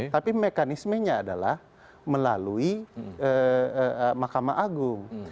tapi mekanismenya adalah melalui mahkamah agung